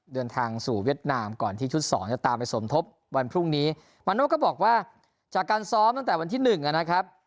เดินทางสู่เวียดนามก่อนที่ชุดสองจะตามไปสมทบวันพรุ่งนี้มาโน่ก็บอกว่าจากการซ้อมตั้งแต่วันที่หนึ่งนะครับ